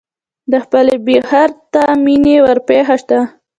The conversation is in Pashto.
د خپلې بې خرته مینې ورپېښه ده.